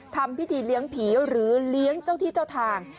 ทำพิธีเลี้ยงผีหรือเลี้ยงเจ้าที่เจ้าทาง